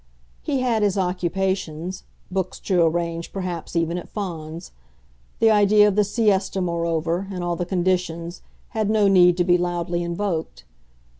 He had his occupations books to arrange perhaps even at Fawns; the idea of the siesta, moreover, in all the conditions, had no need to be loudly invoked.